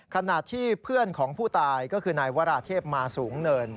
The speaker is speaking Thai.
ขณะที่เพื่อนของผู้ตายก็คือนายวราเทพมาสูงเนิน